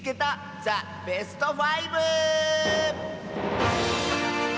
ザ・ベスト５」！